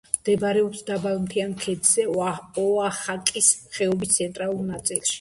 მდებარეობს დაბალ მთიან ქედზე, ოახაკის ხეობის ცენტრალურ ნაწილში.